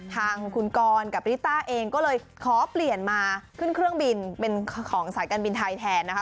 ทางคุณกรกับริต้าเองก็เลยขอเปลี่ยนมาขึ้นเครื่องบินเป็นของสายการบินไทยแทนนะคะ